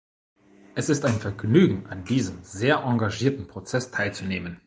Es ist ein Vergnügen, an diesem sehr engagierten Prozess teilzunehmen.